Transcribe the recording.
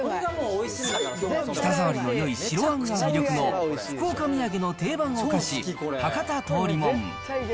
舌触りのよい白あんが魅力の福岡土産の定番おかし、博多通りもん。